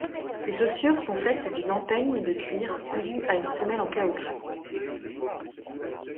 Les chaussures sont faites d'une empeigne de cuir cousue à une semelle en caoutchouc.